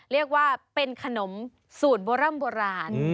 เรียกว่าเป็นขนมสูตรโบร่ำโบราณ